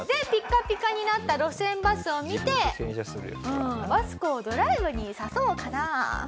ピッカピカになった路線バスを見て「ワスコをドライブに誘おうかな？」。